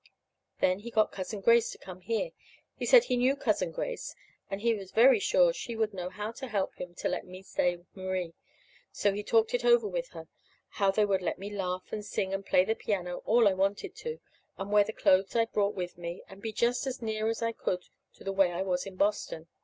Then he got Cousin Grace to come here. He said he knew Cousin Grace, and he was very sure she would know how to help him to let me stay Marie. So he talked it over with her how they would let me laugh, and sing and play the piano all I wanted to, and wear the clothes I brought with me, and be just as near as I could be the way I was in Boston.